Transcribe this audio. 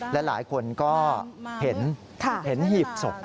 และหลายคนก็เห็นหีบศพ